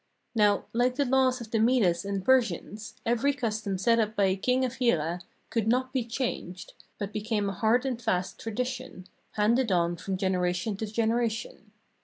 " Now, like the laws of the Medes and Persians, every custom set up by a King of Hirah could not be changed, but became a hard and fast tradition, handed on from generation to generation.